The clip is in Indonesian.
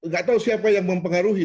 nggak tahu siapa yang mempengaruhi